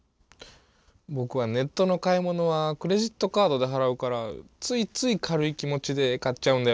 ぼくはネットの買い物はクレジットカードで払うからついつい軽い気持ちで買っちゃうんだよね。